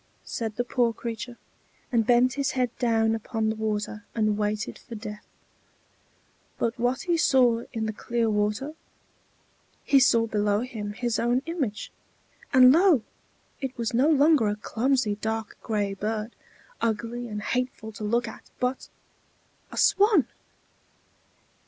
said the poor creature, and bent his head down upon the water, and waited for death. But what saw he in the clear water? He saw below him his own image; and lo! it was no longer a clumsy dark gray bird, ugly and hateful to look at, but a swan!